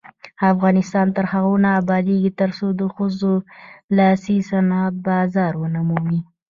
افغانستان تر هغو نه ابادیږي، ترڅو د ښځو لاسي صنایع بازار ونه مومي.